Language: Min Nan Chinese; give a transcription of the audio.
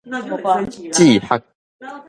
志學